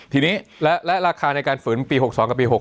ทีนี้และราคาในการฝืนปี๖๒กับปี๖๖